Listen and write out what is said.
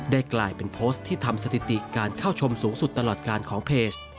กลายเป็นโพสต์ที่ทำสถิติการเข้าชมสูงสุดตลอดการของเพจ